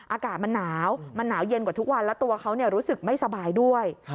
อากาศมันหนาวมันหนาวเย็นกว่าทุกวันแล้วตัวเขารู้สึกไม่สบายด้วย